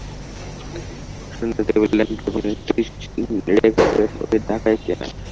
সুন্দর টেবিল-ল্যাম্প এবং একটি ড়েকসেট ঐ টাকায় কেনা।